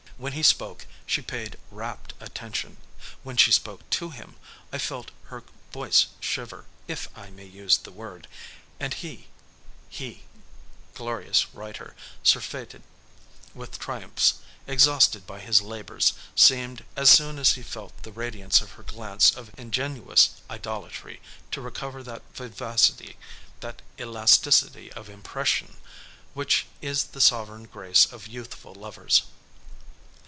When he spoke she paid rapt attention. When she spoke to him, I felt her voice shiver, if I may use the word, and he, he glorious writer, surfeited with triumphs, exhausted by his labors, seemed, as soon as he felt the radiance of her glance of ingenuous idolatry, to recover that vivacity, that elasticity of impression, which is the sovereign grace of youthful lovers.